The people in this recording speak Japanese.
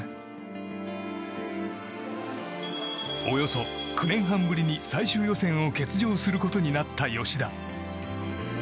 およそ９年半ぶりに最終予選を欠場することになった吉田。